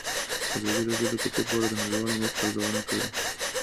ازادي راډیو د کلتور په اړه د نړیوالو مرستو ارزونه کړې.